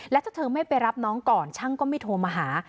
และถ้าเธอไม่ไปรับน้องก่อนช่างก็ไม่โทรมาหา